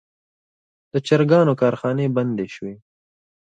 د چرګانو کارخانې بندې شوي.